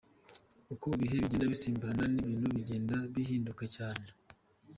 Uko ibihe bigenda bisimburana n’ibintu bigenda bihinduka cyane.